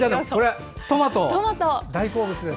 トマト大好物です。